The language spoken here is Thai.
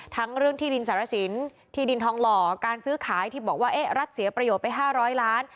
ทั้งเรื่องที่ดินสารสินที่ดินทองหล่อการซื้อขายที่บอกว่าเอ๊ะรัฐเสียประโยชน์ไป๕๐๐ล้าน